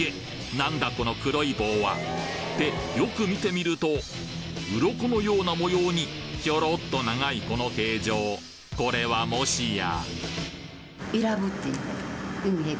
何だこの黒い棒は？ってよく見てみるとうろこのような模様にひょろっと長いこの形状これはもしや？